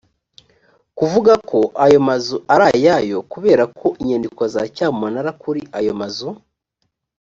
kuvuga ko ayo mazu ari ayayo kubera ko inyandiko za cyamunara kuri ayo mazu